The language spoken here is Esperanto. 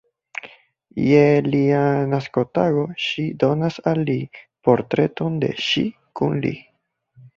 Je lia naskotago ŝi donas al li portreton de ŝi kun li.